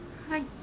はい。